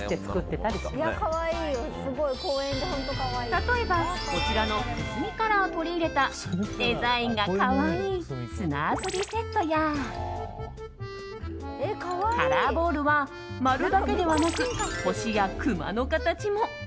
例えば、こちらのくすみカラーを取り入れたデザインが可愛い砂遊びセットやカラーボールは丸だけでなく星やクマの形も。